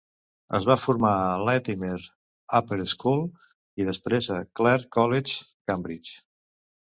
Es va formar a Latymer Upper School i després a Clare College, Cambridge.